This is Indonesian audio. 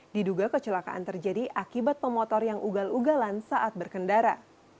diduga kecelakaan terjadi akibat pemotor yang ugal ugalan saat berkendara